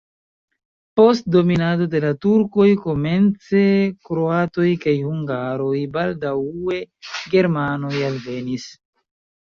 Post dominado de la turkoj komence kroatoj kaj hungaroj, baldaŭe germanoj alvenis.